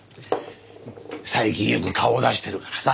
最近よく顔を出してるからさ。